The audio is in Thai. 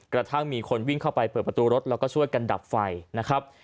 กระทั่งมีคนวิ่งเข้าไปเปิดประตูรถแล้วก็ช่วยกันดับไฟนะครับ